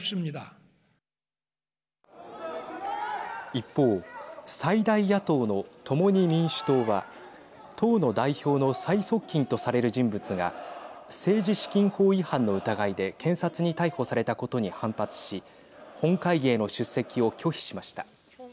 一方、最大野党の共に民主党は党の代表の最側近とされる人物が政治資金法違反の疑いで検察に逮捕されたことに反発し本会議への出席を拒否しました。